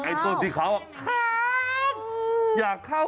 อยากเข้า